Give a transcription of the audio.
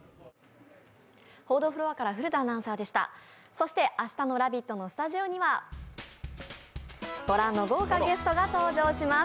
そして明日の「ラヴィット！」のスタジオにはご覧の豪華ゲストが登場します。